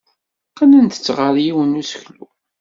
Qqnent-t ɣer yiwen n useklu.